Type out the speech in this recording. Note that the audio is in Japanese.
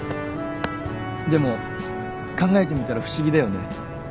でも考えてみたら不思議だよね。